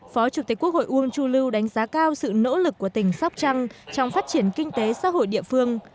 phó chủ tịch quốc hội uông chu lưu đánh giá cao sự nỗ lực của tỉnh sóc trăng trong phát triển kinh tế xã hội địa phương